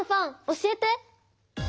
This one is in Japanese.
教えて！